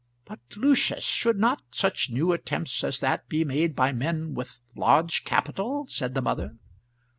"But, Lucius, should not such new attempts as that be made by men with large capital?" said the mother.